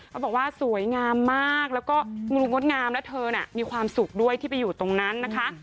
เขาบอกว่าสวยงามมากแล้วก็งูงดงามแล้วเธอน่ะมีความสุขด้วยที่ไปอยู่ตรงนั้นนะคะ